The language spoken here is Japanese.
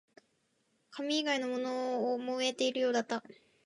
紙以外のものも燃えているようだった